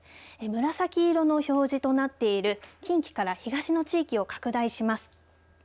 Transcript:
紫色の表示となっている近畿から東の地域を拡大します。